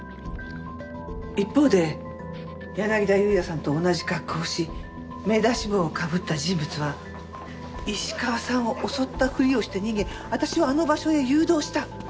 一方で柳田裕也さんと同じ格好をし目出し帽をかぶった人物は石川さんを襲ったふりをして逃げ私をあの場所へ誘導した。